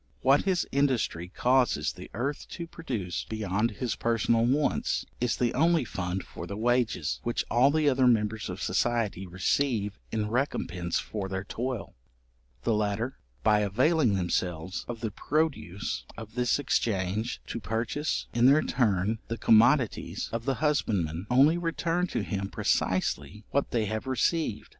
What his industry causes the earth to produce beyond his personal wants, is the only fund for the wages, which all the other members of society receive in recompence for their toil. The latter, by availing themselves of the produce of this exchange, to purchase in their turn the commodities of the husbandman, only return to him precisely what they have received.